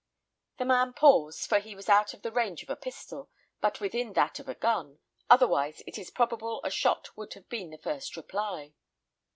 The man paused, for he was out of the range of a pistol, but within that of a gun, otherwise it is probable a shot would have been the first reply.